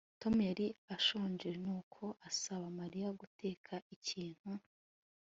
Tom yari ashonje nuko asaba Mariya guteka ikintu